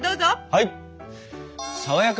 はい！